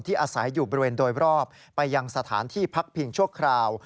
อาศัยอยู่บริเวณโดยรอบไปยังสถานที่พักพิงชั่วคราว